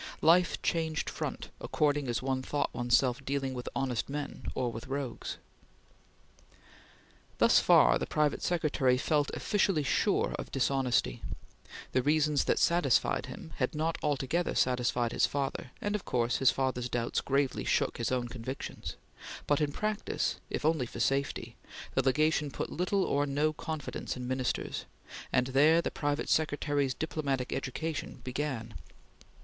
Life changed front, according as one thought one's self dealing with honest men or with rogues. Thus far, the private secretary felt officially sure of dishonesty. The reasons that satisfied him had not altogether satisfied his father, and of course his father's doubts gravely shook his own convictions, but, in practice, if only for safety, the Legation put little or no confidence in Ministers, and there the private secretary's diplomatic education began.